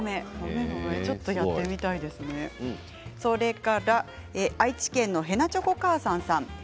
それから愛知県の方からです。